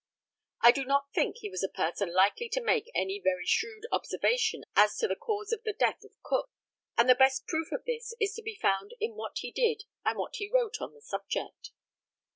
I do not think he was a person likely to make any very shrewd observation as to the cause of the death of Cook; and the best proof of this is to be found in what he did and what he wrote on the subject.